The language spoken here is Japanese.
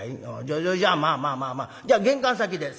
じゃじゃじゃまあまあまあまあじゃ玄関先で。